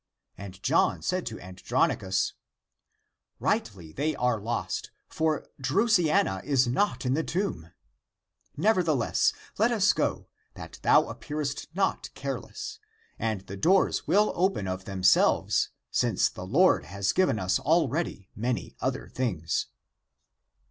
And John said to Andronicus, " Rightly they are lost, for Drusiana is not in the tomb. Nevertheless, let us go, that thou appearest not careless, and the doors will open of themselves, since the Lord has given us already many other things."